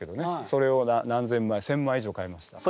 それを何千枚１，０００枚以上買いました。